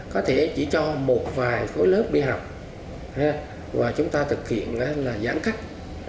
có thể chỉ cho một vài khối lớp đi học và chúng ta thực hiện là giãn cách